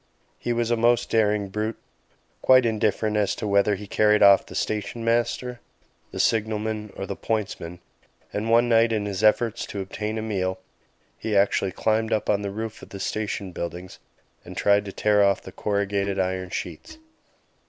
He was a most daring brute, quite indifferent as to whether he carried off the station master, the signalman, or the pointsman; and one night, in his efforts to obtain a meal, he actually climbed up on to the roof of the station buildings and tried to tear off the corrugated iron sheets.